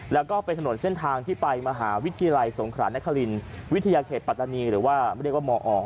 แล้วก็เป็นถนนเส้นทางที่ไปมหาวิทยาลัยสงขรานครินวิทยาเขตปัตตานีหรือว่าเรียกว่ามอ